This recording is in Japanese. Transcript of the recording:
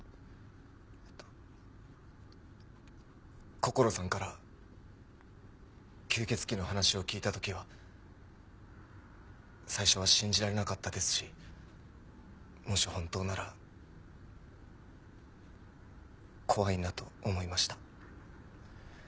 こころさんから吸血鬼の話を聞いた時は最初は信じられなかったですしもし本当なら怖いなと思いました。